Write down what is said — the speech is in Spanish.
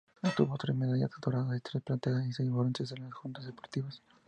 Obtuvo tres medallas doradas, tres plateadas y seis de bronce en las justas deportivas.